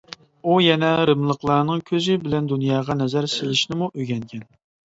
ئۇ يەنە رىملىقلارنىڭ كۆزى بىلەن دۇنياغا نەزەر سېلىشنىمۇ ئۆگەنگەن.